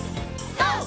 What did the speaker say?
ＧＯ！